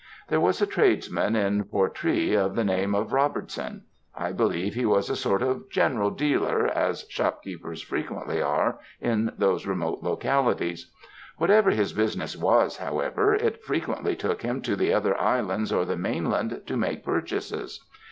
There was a tradesman in Portree of the name of Robertson; I believe he was a sort of general dealer, as shopkeepers frequently are in those remote localities. Whatever his business was, however, it frequently took him to the other islands or the mainland to make purchases.